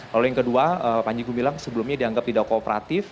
lalu yang kedua panji gumilang sebelumnya dianggap tidak kooperatif